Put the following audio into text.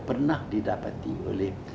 pernah didapati oleh